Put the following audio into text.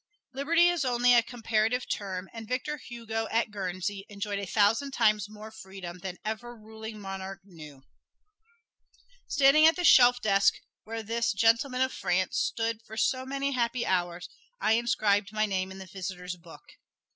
Liberty is only a comparative term, and Victor Hugo at Guernsey enjoyed a thousand times more freedom than ever ruling monarch knew. Standing at the shelf desk where this "Gentleman of France" stood for so many happy hours, I inscribed my name in the "visitors' book."